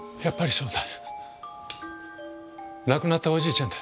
そうだ。